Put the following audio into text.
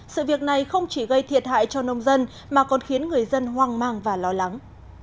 sự việc này không chỉ gây thiệt hại cho nông dân mà còn khiến người dân hoang mang và lo lắng